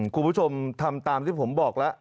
คุณผู้ชมทำตามที่ผมบอกแล้ว